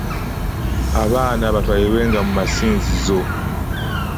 Abaana batwalibwenga mu masinzizo.